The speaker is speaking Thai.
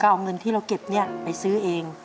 ก็เอาเงินที่เราเก็บเนี่ยไปซื้อเอง